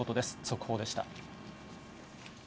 速報でした。